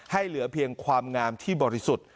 เหลือเพียงความงามที่บริสุทธิ์